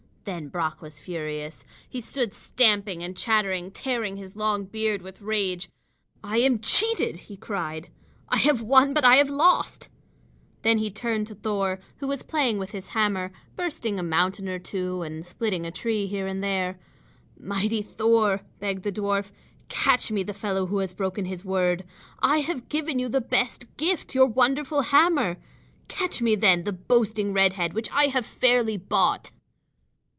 Then Brock was furious. He stood stamping and chattering, tearing his long beard with rage. "I am cheated!" he cried. "I have won but I have lost." Then he turned to Thor, who was playing with his hammer, bursting a mountain or two and splitting a tree here and there. "Mighty Thor," begged the dwarf, "catch me the fellow who has broken his word. I have given you the best gift, your wonderful hammer. Catch me, then, the boasting red head which I have fairly bought."